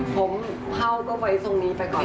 ผมเผ่าก็ไว้ตรงนี้ไปก่อน